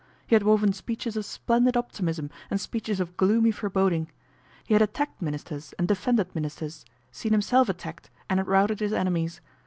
He had woven speeches of splendid optimism and speeches of gloomy foreboding. He had attacked ministers and defended ministers, seen himself attacked and had routed his enemies.